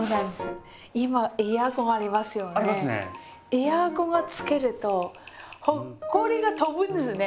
エアコンつけるとほこりが飛ぶんですね。